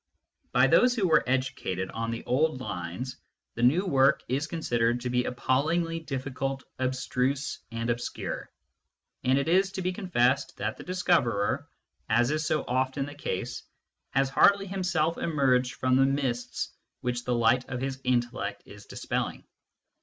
By those who were educated on the THE STUDY OF MATHEMATICS 65 old lines, the new work is considered to be appallingly difficult, abstruse, and obscure ; and it must be con fessed that the discoverer, as is so often the case, has hardly himself emerged from the mists which the light of his intellect is dispelling.